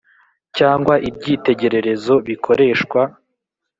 cyangwa ibyitegererezo bikoreshwa